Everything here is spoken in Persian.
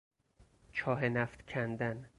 چاه نفت کندن